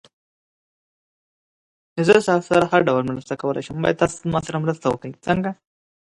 Attorney General Homer Cummings was also from Connecticut.